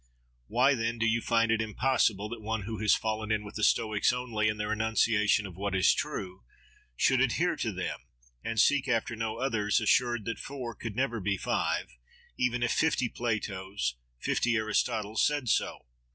—Why then do you find it impossible that one who has fallen in with the Stoics only, in their enunciation of what is true, should adhere to them, and seek after no others; assured that four could never be five, even if fifty Platos, fifty Aristotles said so?